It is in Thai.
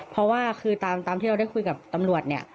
เพราะว่าคือตามที่เราได้คุยกับตำรวจเนี่ย